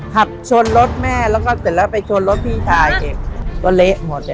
ขับชนรถแม่แล้วก็เสร็จแล้วไปชนรถพี่ชายอีกก็เละหมดเลย